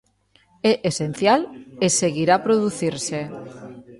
É esencial e seguirá a producirse.